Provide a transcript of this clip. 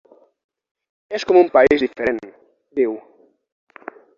“És com un país diferent”, diu.